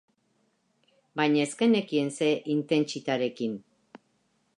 Baina ez genekien ze intentsitarekin.